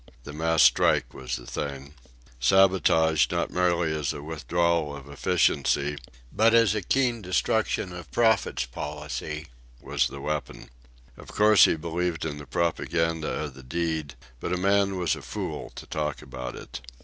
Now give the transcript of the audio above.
The mass strike was the thing. Sabotage, not merely as a withdrawal of efficiency, but as a keen destruction of profits policy, was the weapon. Of course he believed in the propaganda of the deed, but a man was a fool to talk about it.